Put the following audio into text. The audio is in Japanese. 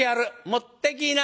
持ってきな。